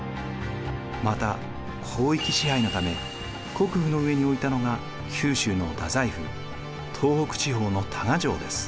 また広域支配のため国府の上に置いたのが九州の大宰府東北地方の多賀城です。